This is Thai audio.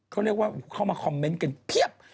เขาเรียกว่าเข้ามาคอมเมนต์กันเพียบ